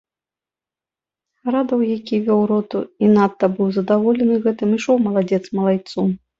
Градаў, які вёў роту і надта быў здаволены гэтым, ішоў маладзец малайцом.